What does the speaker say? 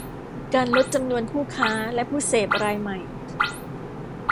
การลดจำนวนผู้ค้าและผู้เสพรายใหม่